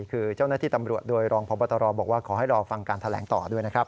คือเจ้าหน้าที่ตำรวจโดยรองพบตรบอกว่าขอให้รอฟังการแถลงต่อด้วยนะครับ